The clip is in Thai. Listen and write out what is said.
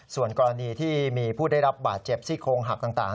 ส่วนกรณีที่มีผู้ได้รับบาดเจ็บซี่โครงหักต่าง